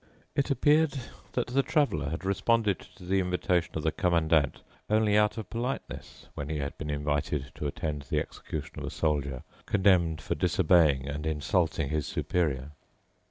It appeared that the Traveler had responded to the invitation of the Commandant only out of politeness, when he had been invited to attend the execution of a soldier condemned for disobeying and insulting his superior.